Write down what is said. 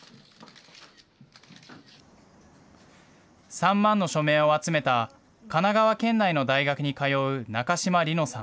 ３万の署名を集めた神奈川県内の大学に通う中島梨乃さん。